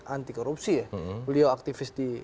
anti korupsi ya beliau aktivis di